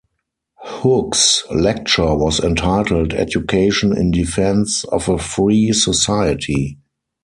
Hook's lecture was entitled Education in Defense of a Free Society.